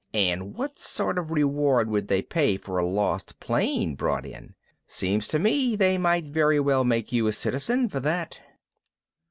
And what sort of reward would they pay for a lost plane brought in? Seems to me they might very well make you a citizen for that."